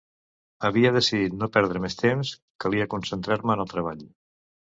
Havia decidit no perdre més temps, calia concentrar-me en el treball.